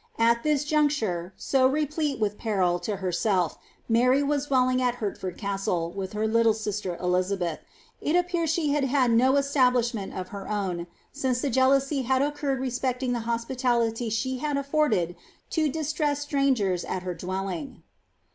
147 At this juncture, so replete with peril to herself, Mary was dwell at iiertford Cajttlc, with her little sister Elizabetli ; it appears she had no establishment of her own, since the jealousy had occurred ecting the hospitality she had afforded to distressed strangers at her lling.